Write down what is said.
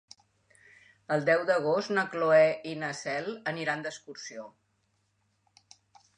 El deu d'agost na Cloè i na Cel aniran d'excursió.